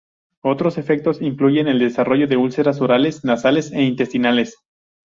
Otros efectos incluyen el desarrollo de úlceras orales, nasales e intestinales.